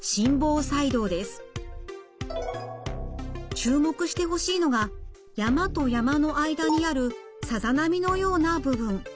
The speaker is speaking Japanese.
注目してほしいのが山と山の間にあるさざ波のような部分。